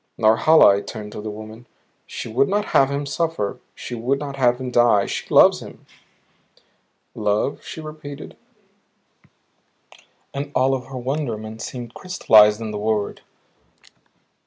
"Norhala," I turned to the woman, "she would not have him suffer; she would not have him die. She loves him." "Love?" she repeated, and all of her wonderment seemed crystallized in the word.